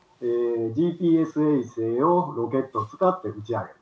ＧＰＳ衛星をロケット使って打ち上げる。